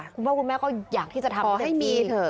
คุณพ่อคุณแม่ก็อยากที่จะทำได้พอให้มีเถอะ